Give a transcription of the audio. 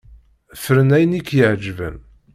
Fren ayen i k-iɛeǧben.